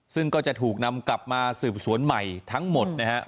ซึ่งก็จะถูกนำกลับมาสืบสวนใหม่ทั้งหมดนะฮะ